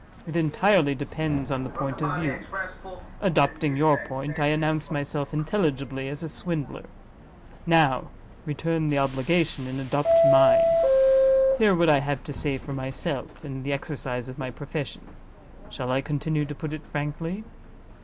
It entirely depends on the point of view. Adopting your point, I announce myself intelligibly as a Swindler. Now return the obligation, and adopt mine. Hear what I have to say for myself, in the exercise of my profession.—Shall I continue to put it frankly?"